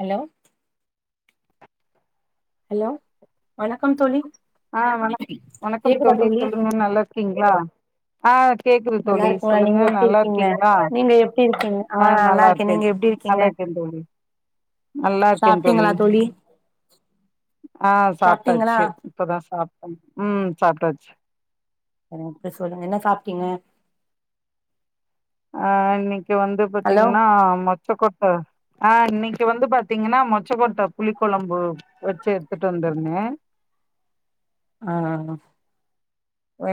Hello hello வணக்கம் தோழி ஆ வணக் வணக்கம் தோழி சொல்லுங்க நல்லாருக்கீங்ளா ஆஹ் கேக்குது நல்லா தோழி இருக்குங்களா சொல்லுங்க நீங்க எப்டி நல்லா இருக்கீங்க இருக்கீங்களா நீங்க எப்டி இருக்கீங்க ஆ நல்லா இருக்கே இருக்கேன் நீங்க எப்டி இருக்கீங்க நல்லா இருக்கேன் தோழி நல்லா இருக்கேன் தோழி ஆ சாப்ட்டீங்களா சாப்ட்டாச்சு இப்போதா சாப்ட்டோ ம் சாப்ட்டாச்சு செரிங்க அப்டி சொல்லுங்க என்ன சாப்டீங்க ஆ இன்னைக்கு வந்து பாத்தீங்னா மொச் மொச்சக்கொட்ட ஆ இன்னைக்கு வந்து பாத்தீங்கனா மொச்சைக்கோட்ட புளி குழம்பு வச்சு எடுத்துட்டு வந்துருந்தே ஆ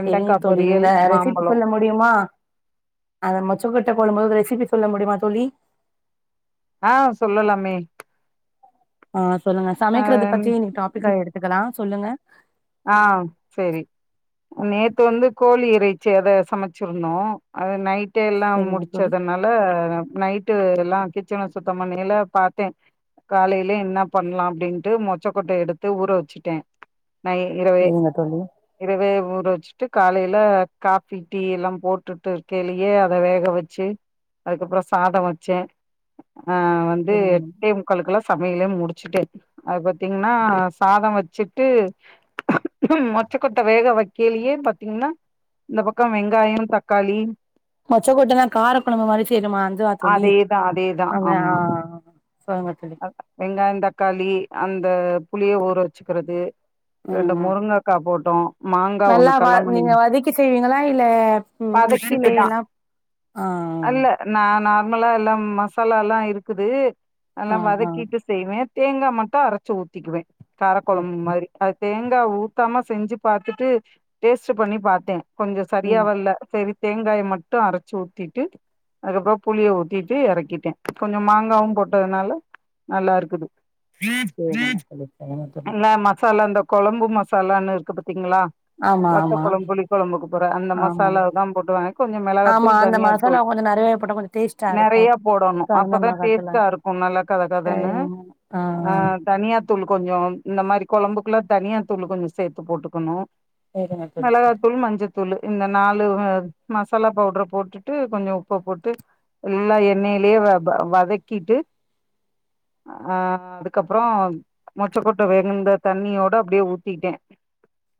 செரிங்க தோழி இந்த பொரியல் ரெசிபி மாம்பழோ சொல்ல முடியுமா அந்த மொச்சக்கொட்ட கோழம்போட ரெசிபி சொல்ல முடியுமா தோழி ஆ சொல்லலாமே ஆஹ் சொல்லுங்க ஆ சமைக்ரத பத்தி இன்னைக்கு டாபிக்க எடுத்துக்கலா சொல்லுங்க ஆ செரி நேத்து வந்து கோழி இறைச்சி அத சமைச்சிருந்தோ அது நைட் [unintelligible] எல்லா செரிங்க தோழி முடிச்சதுனால நைட்டு எல்லா கிச்சன்ன சுத்தொ பண்ணியில பாத்தே காலையிலெ என்ன பண்ணலா அப்டின்ட்டு மொச்சக்கொட்ட எடுத்து ஊற வெச்சுட்டேன் நை இரவு செரிங்க தோழி இரவு ஊற வச்சுட்டு காலையில ஃகாபி டீ எல்லா போட்டுட்டு இருக்கேலயே அத வேக வச்சு அதுக்கப்பரொ சாதோ வச்சே ஆ வந்து செரிங்க எட்டே முக்களுக்கெல்லா சமையலயே முடிச்சுட்டே அது பாத்தீங்ன்னா சாதோ வச்சுட்டு மொச்சக்கொட்ட வேக வக்கிலியே பாத்தீங்ன்னா இந்த பக்கொ வெங்காயொ தக்காளி மொச்சக்கொட்டல்லா கார கொலம்பு மாரி செய்ருமா அந்துவ தோழி அங்க ஆஹ் அக் வெங்காயம் தக் களி அந்த புளிய ஊற வச்சுக்கிறது ரெண்டு ம் முருங்கக்கா போட்டு ட்டும் [unintelligible] நல்லா வா நீங்க வதக்கி செய்வீங்களா இல்ல மிக்சிலே வதக்கிட்டுதா எல்லாம் ஆ ஆ ஆ ம்மலா எல்லாம மசாலால்லா இருக்குது அல்லா ஆ ஆ வதக்கிட்டு செய்வே தேங்கா மட்டு அரச்சி ஊத்திக்குவே ஆ காரக்கொழம்பு மாதுரி அது தேங் கா ஊத்தாம செஞ்சு பாத்துட்டு டேஸ்ட்டு பண்ணி பாத்தே கொஞ்ச சரியா ம் வல்ல தேங்காய மட்டு அரச்சு ஊத்திட்டு அதுக்கப்ற புளிய ஊத்திட்டு எறக்கிட்டே கொஞ்சொ மாங்காவு போட்டு டதுனால நல்லாருக்குது சேரிங்க தோழி சேரிங்க தோழி எல்லா மசாலாந்தப் கொழம்பு மசாலான்னு இருக்கு பத் திங்ளா ஆமா வத்த ஆமா கொழம் புளிகொழம்புக்கு போற அந்த ஆமா மசாலாவ தா போட்டுவ கொஞ்ச ஆமா மிளகாத்தூள் அந்த தனியாத்தூள் மசாலா கொஞ்சோ நெறையவே போட்டா கொஞ்சோ டேஸ்ட்டா இருக்கு நெறைய போடணு காரந்த அப்பதா டேஸ் மிளகாத்தூளு தாருக்கு நல்லா கத கதன்னு ஆ தனியா தூளு கொஞ்சோ இந்த மாரி கொழம்புக்குல்லா தனியா தூளு கொஞ்ச சேத்து போட்டுக்குணு [unintelligible] தூளு இந்த நாலுவ்வு மசாலா பவுட்ர போட்டுட்டு கொஞ்சொ உப்ப போட்டு எல்லா எண்ணெய்ல்யே வ ப வதக் கீட்டு அ அதுக்கப்றோ மொச்ச கொட்ட வெகுந்த தண்ணியோட அப்டியே ஊத்திட்டே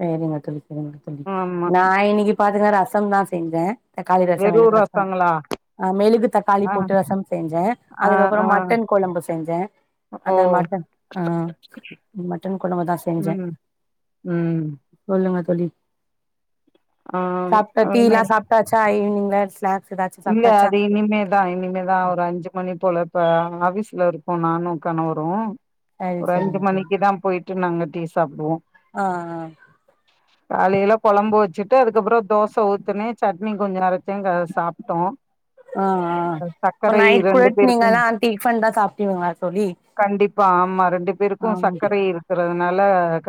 சேரிங்க தோழி செரிங் தோழி ஆமா நா இன்னிக்ககி பாத்தங்னா ரசம் தாஸ் தெங்க தக்காளி ரச வெறு மெழுகு ரசம் ரசங்களா அ மெழுகு தக்காளி ஆ போட்டு ரசம் செஞ்ச ஆ அதுக்கப்புறொ ஆ மட்டன் கொழம்பு செஞ்ச ஓ அந்த மட்ட அ மட்டன் கொழம்பு தா செஞ்சே ம் ம் சொல்லுங்க தோழி ஆ சாப்ட்ட இனிமே தீல்லா சாப்ட்டாச்சா இந்த ஸ்நேக்ஸ் இல்ல அது இனிமேதா இனிமேதா ஒரு அஞ்சு மணி போல இ ப்ப ஆவிஸ் லருக்கோ நானு கணவரு சரி ஒரு சரிங்க அஞ்சு மணிக்கி தா பொயிட் ட்டு நாங்க டீ சாப்டுவோ அ அ காலைல கொழம்பு வச்சுட்டு அதுக்கப்புறோ தோச ஊத்துனே சட்னி கொஞ்ச அரச் திங் அத சாப் ட்டோ. ஆ ஆ இப்ப சக்கரை நைட் கூட ரெண்டு பேருக்கு நீங்கல்லா டிஃபன் தா சாப்டுவீங்களா தோழி கண்டிப்பா ஆமா ரெண்டு பேருக்கூ ஆமா சர்க்கரை இருக்கிறதுனால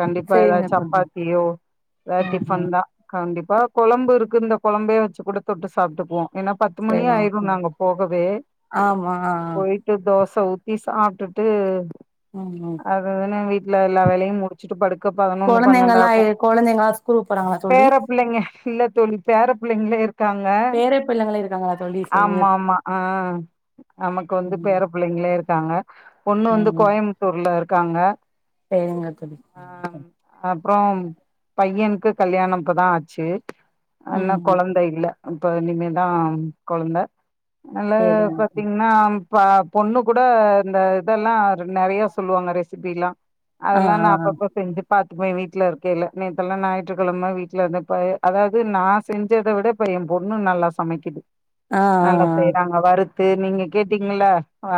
கண்டிப்பா சரிங்க எதாச்சு தோழி சப்பாத்தியோ எதாது ம் ம் டிஃபன்தா கண்டிப் இப்ப கொழம்பு இருக்கு இந்த கொழம்பே வெச்சுக் குடுத்துவிட்டு சாப்பிட்டுக்குவோ ஏனா பத்து மணி சரிங்க ஆயிரு தோழி நாங்க போகவே ஆமா ஆ ஆ போயிட்டு தோச சோ ஊத்தி சாப்பிட்டுட்டு ம் ம் அதுஅதுனா வீட் ட்ல எல்லா வேலையும் முடிச்சுட்டு படுக் க பதினொன்னு பன்னெண்டு கொழந்தைங்கல்லா ஆகு கொழந்தைங்கல்லா ஸ்கூலுக்கு போறாங்களா தோழி பேரப் பிள்ளைங்க இல்ல தோழி பேரப் பிள்ளைங்களே இருக்காங்க பேர பிள்ளைங்களா இருக்காங்களா தோழி சரிங்க ஆமா ஆமா ஆஹ் நமக்கு வந்து ம் பேரப்பிள்ளைங்களே இருக்காங்க பொண்ணு வந்து கோயம்புத்தூர்ல இருக்காங்க சேரிங்க தோழி அப்புறோ பைய்யனுக்கு கல்யாணோ இப்பதா ஆச்சு அத்னா ம் ம் கொழந்த இல்ல அப்ப இனிமேல் தா கொழந்த அனால சரிங்க தோழி பாத்தீங்கன்னா ப்பா பொண்ணு கூட இந்த இதெல்லா நெறயா சொல்லுவாங்க ரெசிபியெல்லா ஆ அதெல்லா நா அப்பப்ப செஞ்சு பாத் ப்ப வீட்டுல இருக்கயிலே நேத்தெல்லா ஞாயிற்றுக்கிழமை வீட்டுல இருந்தப்ப அதாவது நா செஞ்சத விட இப்ப எம் பொண்ணு நல்லா சமைக்குது ஆ ஆ ஆ நல்லா செய்றாங்க வறுத் து நீங்க கேட்டீங்கல்ல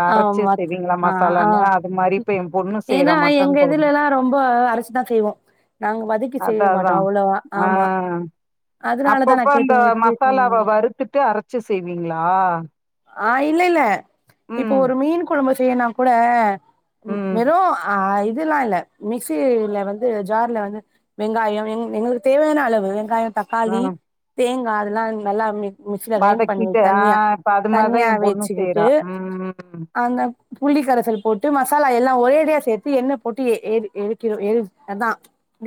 அரைச்சு ஆமா செய்வீங்களா ஆஹ் மசாலான்னு ஆஹ் அது மாரி இப்ப என் பொண்ணு ஏன்னா செய்யறா எங்க மட்டன் கொழம்பு இதுல எல்லா ரொம்போ அரச்சுதா செய்வோ நாங்க வதக்கி அதா செய்ய அதா மாட்டோ அவ்வளவா ஆ ஆமா அதனாலதா நா கேட்டேன் எப்பிடி செஞ்சீங் ட்டு அரச்சு செய்வீங்களா ஆஹ் இல்ல இல்ல இப்ப ம் ஒரு மீன் கொழம்ப செ ய்யன்னா கூட ம் வெறும் ஆ இதெல்லா இல்ல மிக்சில வந்து ஜார்ல வந்து வெங்காயோ எங்களுக்குத் தேவையான அளவு வெங்காயோ ஆ தக்காளி தேங் கா அதெல்லா நல்லா அம்மி வதக்கி விட்டு ஆஹ் ப தண்ணியா வெச்சுகிட்டு அங்க புளி கரசல் போட்டு மசாலா எல்லா ஒரே அடியா சேத்து என்ன போட்டு எ எ எருக்கிறோ அதா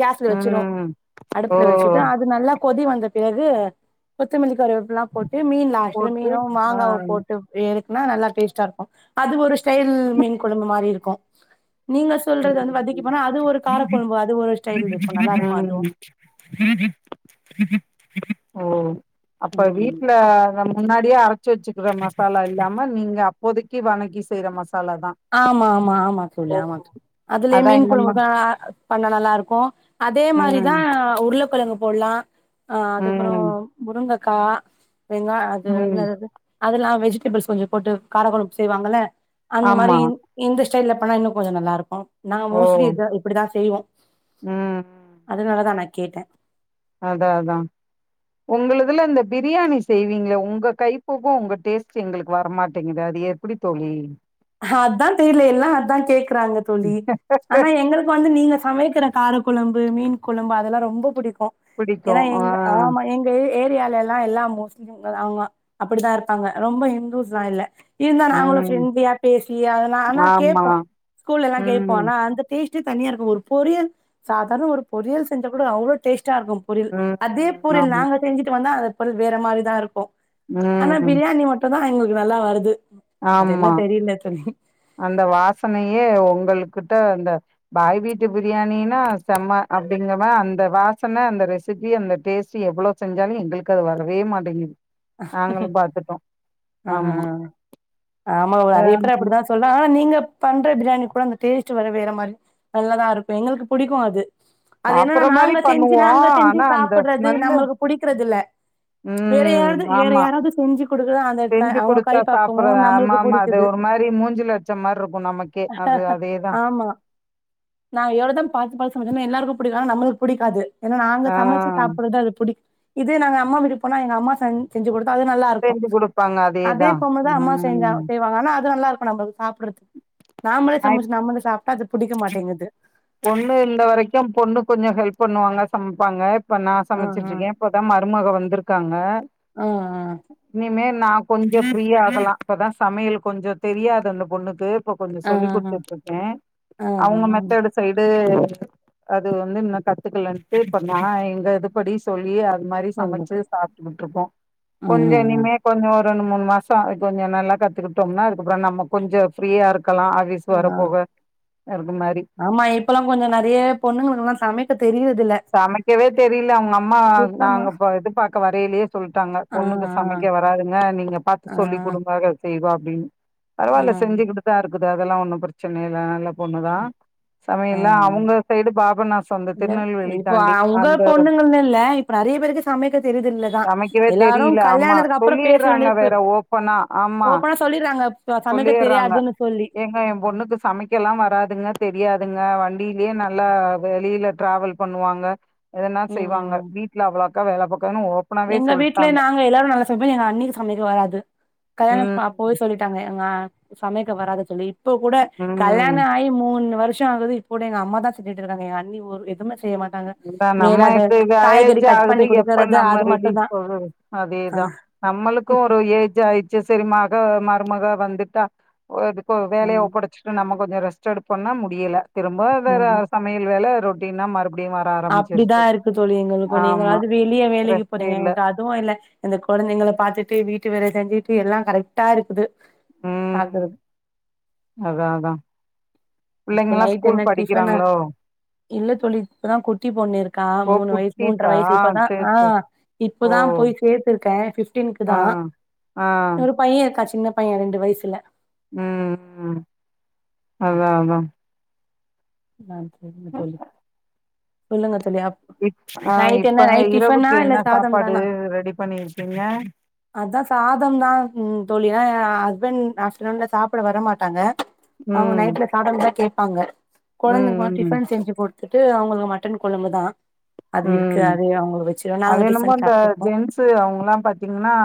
கேஸ்ல வச்சிரு ம் ஓ அடுப்புல வெச்சுட்டு அது நல்லா கொதி வந்த பிறகு கொத்தமல்லி கருவேப்பில லாம் போட் இது மீன் லாஸ்ட்ல போட்டு மீனு ஆ மாங்காவு போட்டுப் எ [unintelligible] னா நல்லா டேஸ்ட்டா இருக்கு அது ஒரு ஸ்டைல் மீன் குழம்பு மாரி இருக்கு நீங்க சொல்றது வந்து வதக்கி ம் பண்ணா அது ஒரு காரக்கொழம்பு அது ஒரு ஸ்டைல்ருக்கு நல்லாருக்கு அதுவு ஓ அப்ப ம் வீட்டுல நம் முன்னாடியே அரைச்சு வச்சுக்கற மசாலா இல்லாம நீங்க அப்போதைக்கு வணக்கி செய்யற மசா ஆமா ஆமா ஆமா தோழி ஆமா தோழி அதுலயே அதா மீன் குழம்பு என்னம்மா ப பண்ணா நல்லாருக்கு அதே மாரிதா ம் [unintelligible] உருளக்கிழங்கு போட்லா ஆ, அதுப்புறோ ம் முரங்கக் கா வெங்கா அது ம் என்னதுதது அதெல்லா வெஜிடபிள்ஸ் கொஞ்சோ போட்டு கார கொழம்பு செய்வாங்கல்ல அந்த மார் ஆமா இந் இந்த ஸ் சைல்ல பண்ணா இன்னு கொஞ்சோ நல்லா இருக்கு நா ஓ மோஸ்ட்லி இதா இப்படிதா செய்வோ ம் அது நல்ல தானைக் கேட்டே அதா அதா உங்களதுல இந்த பிரியாணி செய்வீங்களே உங்க கைப்பக்குவோ உங்க டேஸ்ட் எங்களுக்கு வர மாட்டேங்குது அது எப்டி தோழி ஹ அதா தெரியில எல்லா அதா கேக்குறாங்க தோழி ஆனா எங்களுக்கு வந்து நீங்க சமைக்கிற கார குழம்பு மீன் குழம்பு அதெல்லா ரொம்ப புடிக் கு பிடிக்கு ஏன்னா ஆ எங்க ஆமா எங்க ஏ எத் தியால எல்லா எல்லா முஸ்லிம்ங்க அவங்க அப்படிதா இருப்பாங்க ரொம்ப இந்துஸ்லா இல்ல இருந்தா நாங்களு ம் ஃப்ரெண்ட்லியாப் பேசி அதெல்லா ஆனா ஆமா கேப்போ ஸ்கூல்ல எல்லா கேப்போ ம் ஆனா அந்தட் [unintelligible] டேஸ்ட்டே தனியாருக்கு ஒரு பொரியல் சாதாரண ஒரு பொரியல் செஞ்ச கூட அவ்ளோ டேஸ்ட் டா இருக்கு பொரியல் அதே ம் பொரியல் ஆமா நாங்க செஞ்சுட்டு வந்த அந்தத் பொல் வேற மாதிரிதா இருக்கு ஆனா ம் பிரியானி மட்டும் நா எங்களுக்கு நல்லா வருது அது என்ன ஆமா தெரியல தோழி அந்த வாசனையே உங்களுக்கு கிட்ட அந்த பாய் வீட்டு பிரியாணினா செம்மை அப்படிங்கற மா அந்த வாசனை அந்த ரெசிபி அந்த டேஸ்ட்ட் எவ்வளவு செஞ்சாலும் எங்களுக்கு அது வரவே மாட்டேங்குது நாங்களும் பாத்துட்டோம் ஆமா ஆ ஆமா அதே அப்புறம் அப்படித்தான் சொல்லாம் நீங்க பண்ற பிரியாணி கூட அந்த டேஸ்ட் வர வேற மாரி நல்லாதா இருக்கும் எங்களுக்கு புடிக்கும் அது அது என்னன்னா அப்புற மாரி நாங்க செஞ்சு பண்ணுவோ நாங்க செஞ்சு ஆனா அந்த சாப்பிடுறது ஸ்மெல்லு நம்மளுக்கு புடிக்கறது இல்ல வேற ம். யாவது வேற ஆமா. யாராவது செஞ்சு கொடுக்குதா அந்தடத்த செஞ்சு அவங்க கை குடுத்தா சாப்பிடுறது. பக்கவும் நம்மளுக்கு ஆமாமா. அது புடிக்குது ஒரு மாரி மூஞ்சில அடிச்ச மாரி இருக்கும் நமக்கே. அது அதேதான். ஆமா நான் எவ்வளவுதான் பார்த்து பார்த்து எல்லாருக்கும் தா பிடிக்கா நம்மளுக்கு புடிக்காது ஏன்னா நாங்க ஆ சமைச்சு சாப்புடுறது அது புடிக்கும் இது நாங்க அம்மா விட்டு போனா எங்க அம்மா செஞ் செஞ்ச கொடு அது நல்லா இருக்கும் செஞ்சு குடுப்பாங்க. அதே அதேதான். கொழும்புதான் அம்மா செஞ்ச ம். செய்வாங்க ஆனா அது நல்லா இருக்கும் [unintelligible] சாப்புடுறது நாமளே நான் இப் சமைச்சு நம்மளே சாப் அது புடிக்க மாட்டேங்குது பொண்ணு இந்த வரைக்கும் பொண்ணு கொஞ்சம் ஹெல்ப் பண்ணுவாங்க சமைப்பாங்க இ நான் ஆ சமைச்சட்டு இருக்கேன் இப்பதான் மருமக வந்திருக்காங்க ஆ ஆ இனிமே நான் கொஞ்சம் ஃப்ரீய ஆகலாம் இப்பதான் சமையல் கொஞ்சம் தெரியாது அந்த பொண்ணுக்கு ப்ப கொஞ்சம் ஆ ஆ சொல்லி் கொடுத்துட்டு இருக்கேன் ஆ ஆ அவங்க ஆ ந்து அது வந்து இல்ல கத்துக்கலன்ட்டு இப்ப நான் எங்க இது படி சொல்லி இது மாதிரி சொல்லுது சமைச்சு சாப்ட்டுட்டு இருக்கோம் ஆ கொஞ்சம் இனிமே கொஞ்சம் ஒரு ரெண்டு மூணு மாசம் கொஞ்சம் நல்லா கத்துக்கிட்டோம்னா அதுக்கப்புறம் நம்ம கொஞ்சம் ஃப்ரீயா இருக் கலாம் ஆபீஸ் ஆ வர ஆ. போக இருக்கு மாரி இப்பெல்லாம் கொஞ்சம் நெறைய பொண்ணுங்களுக்குெல்லாம்மைக்க சமைக்கவே தெரியல அவங்க அம்மா சுத்தமா நாங்க பா இது பா க்க வரலயே சொல்டாங்க ஆ பொண்ணுக்கு சமைக்க வராதுங்க நீங்க ஆ பாத்து ஆ சொல்லி கொடுங்க அவ செய்வா [unintelligible] ஆ பரவாயில்ல செஞ்சுக்கிட்டுதா இருக் அதெல்லா ஒண்ணு பிரச்சனை இல்ல நல்ல பொண்ணுதா ஆ சமையலா அவங்க சைடு பா பண்ண சொந்த திருநெல்வேலி இப்ப உங்க பொண்ணுங்குனு இல்ல இப்ப நெறைய பேருக்கு சமைக்க தெரியுது இல்லதா சமைக்கவே எல்லாரு தெரியல ஆமா கல்யாணத்துக்கு அப்புறோ பேச சொல்லிர்றாங்க வேண்டியது பே வேற ஓப்பனா சொல்லிர தாங்கப் சொல்லிடுறாங்க ஏங்க என் பொண்ணுக்கு சமைக்கலா வராதுங்க தெரியாதுங்க வ டிலயே நல்லா வெளியில டிராவல் பண்ணுவாங்க எதுனா ம் செய்வாங்க ம் வீடல அவ்ளா க வேல பாக்காதுன்னு ஓப்பனாவே எங்க வீட்ல சொல்ட்டாங்க நாங்க எல்லாரு நல்லா சமைப்போ எங்க அண்ணிக்கு சமைக்க வராது கல்யாணம் அப்பவே ம் சொல்லிட்டாங்க ஏங்க சமக்க வராத சொல்லி இப்போ கூட ம் கல்யாணம் ஆகி மூணு வரு ஷம் ஆகுது இப்போ எங்க அம்மா தா செஞ்சிட்டு இருக்காங்க எ அண்ணி ஒரு எதுமே செய்ய மா கங்க அதா மேல அத நம்மக்கு காய்கறி ஏஜ் கட் ஆகுது பண்ணி குடுக்கறது மட்டும்தான் [unintelligible] ஆ அதேதா நம்மளுக்கு ஒரு ஏஜ் ஆயிச்சு செரி மக ம மக வந்துட்டா ஒ எதுக்கு வேலையைப் ஒப்படைச்சிட்டு நமக்கு கொஞ்சோ ரெஸ்ட் எடுப்போம்னா முடியல திரும்ப வேற சமையல் வேலை ரொ அப்டினா மறுப் அப்டிதான் இருக்கு தோழி எங்களுக்கு ஆமா நீங்களாவது வெளியே வேலைக்கு ரெஸ்ட்டே போறீங்க இல்ல எங்களுக்கு அதுவு இல்ல இந்த கொழந்தைங்க பாத்து ட்டு வீட்டு வேல செஞ்சுட்டு எல்லா கரெக்டா இருக்குது உம் பாக்குறது அதா அதா இப்ப பிள்ளைங்கல்லா நைட் ஸ்கூல் என்ன டிபனா படிக்கிறாங்களோ இல்ல தோழி இப்பதா குட்டி பொண்ணிருக்கா ஓ மூணு வயசு மூன்ற குட்டிஸா வயசு இப்பதா சேரி சேரி ஆஹ் ஓ இப்பதா போய் சேத்திருக்கே பிப்டினுக்கு ஆ தா ஆ ஒரு பைய க்கா சின்ன பைய ரெண்டு வயசுல உம் அதா அதா நா சரிங்க தோழி சொல்லுங்கத் தோழியப் இப் ஆ நைட் இப்ப என்ன நைட் டிபனா இரவுக்கு இல்ல என்ன சாதம் சாப்பாடு தானா ரெடி பண்ணிருக்கீங்க அதா சாதம் தா ம் தோழி ஏன்னா ஹஸ்பண்ட் அப்டேர்நூன்ல சாப்பிட வர மாட்டாங்க அவங்க ம் நைட்ல சாதம்தா கேப் அங்க கொழந்தைக்குமா ம் ம் டிஃபன் செஞ்சுபோ கத்துட்டு அவங்களுக்கு மட்டன் கொழம்பு தான் உம் அத என்னமோ டிஃபன் இந்த சாப்ட்டுப்போ ஜென்ஸு அவங்க எல்லாம் பாத்தீங்கன்னா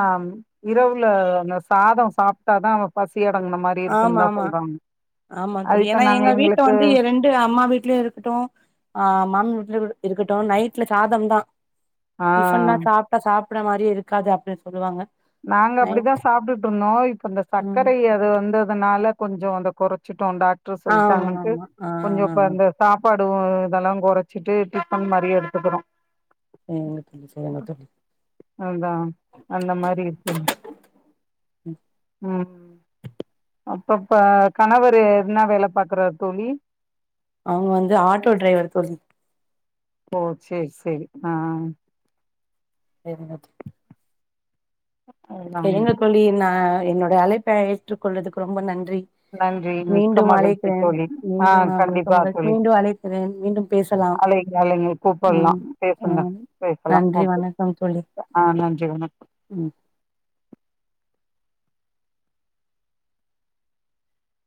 இரவு அந்த சாதம் சாப்பிட்டா தான் அவன் பஸி ஆமா ஆமா ஆமா அது தோழி இப்ப ஏன்னா நாங்க எங்க வீட்டு எங்களுக்கு வந்து ரெண்டு அம்மா வீட்லயும் இருக்கட்டும் ஆஹ் மாமியா வீட்ல இருக்கட்டும் நைட்ல சாதம் தான் ஆ டிஃபன் நா சாப்டா சாப் ப்புடா மாதிரி இருக்காது அப்படினு சொல்லுவாங்க நாங்க நைட் அப்டித்தா சாப்டுட்டு இருந்தோ இப்ப இந்த ம் சர்க்கரை அது வந்து அதனால கொஞ்சோ அந்த குறைச்சி டோ டாக்டர் ஆமா சொல்டாங்கண்ட்டு ஆமா ஆ கொஞ்சோ அந்த சாப்பாடு பாடு இதெல்லாம் கொறச்சிட்டு டிஃபன் மாரியே எடுத்துக்குறோ உங்களுக்கு இது செய்யணுமா தோழி உம் ம். உம் அப்பப்ப கணவர் என்ன வேல பாக்குறார் தோழி அவுங்க வந்து ஆட்டோ டிரைவர் தோழி ஓ சேர் சேரி ஆஹ் என்னது அதான். செரிங்க தோழி நா என்னுடய அழைப்பை ஏற்றுகொல்றதுக்கு ரொம்ப நன் நன்றி மிக்க மகிழ்ச்சி தோழி மீண்டும் ஆஹ் ஆ மிக்க கண்டிப்பா மகிழ்ச்சி தோழி மீண்டும் அழைக்கிறேன் மீண்டும் பேசலாம் அழைங்க அழைங்க கூப்பட்லா ம் பேசுங்க ம் பேசலாம் நன்றி வணக்கம் தோழி ஆஹ் நன்றி வணக்கம் ம்